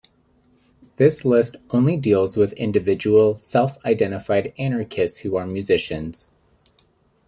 This list only deals with individual, self-identified anarchists who are musicians.